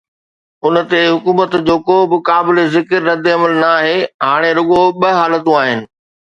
ان تي حڪومت جو ڪو به قابل ذڪر ردعمل ناهي، هاڻي رڳو ٻه حالتون آهن.